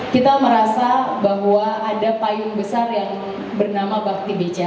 kita merasa bahwa ada payung besar yang bernama bakti bija